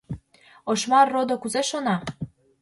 Ошмар родо кузе шона?